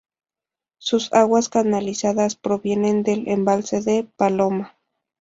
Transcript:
Sus aguas canalizadas provienen del Embalse La Paloma.